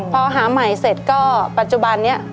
พอหาใหม่เสร็จก็ปัจจุบันนี้